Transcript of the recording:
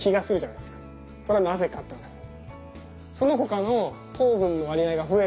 それはなぜかって話なんです。